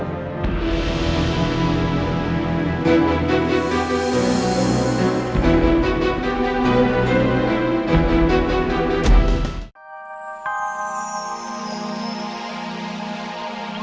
kita bakal nikah